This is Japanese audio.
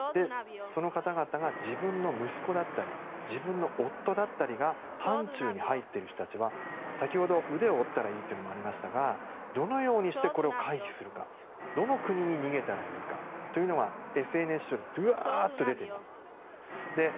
その方々が、自分の息子だったり自分の夫だった人が範疇に入っている人たちは先ほど腕を折ったらいいというのもありましたがどのようにしてこれを回避するかどの国に逃げたらいいかというのがＳＮＳ上でぶわーっと出ています。